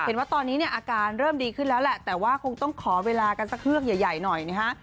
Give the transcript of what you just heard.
เห็นว่าตอนนี้เนี่ยอาการเริ่มดีขึ้นแล้วแหละแต่ว่าคงต้องขอเวลากันสักเฮือกใหญ่หน่อยนะฮะ